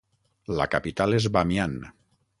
La capital és Bamian.